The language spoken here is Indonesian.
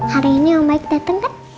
hari ini ombak dateng kan